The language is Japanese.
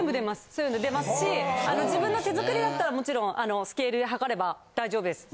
そういうの出ますし自分の手作りだったらもちろんスケールで量れば大丈夫です。